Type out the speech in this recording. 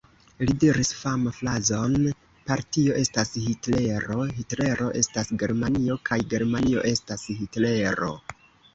Li diris faman frazon: "Partio estas Hitlero, Hitlero estas Germanio kaj Germanio estas Hitlero!".